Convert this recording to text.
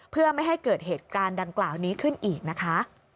เพื่อไม่ให้เกิดเหตุการณ์ดังกล่าวนี้ขึ้นอีกนะคะ